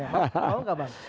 mau gak bang